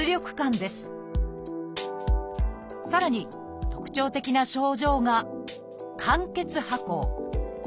さらに特徴的な症状が「間欠跛行」。